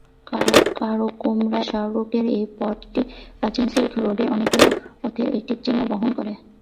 কারাকোরাম মহাসড়কের এ পথটি প্রাচীন সিল্ক রোডের অনেকগুলি পথের একটি চিহ্ন বহন করে।